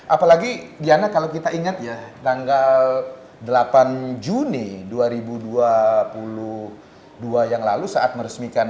apalagi diana kalau kita ingat ya tanggal delapan juni dua ribu dua puluh dua yang lalu saat meresmikan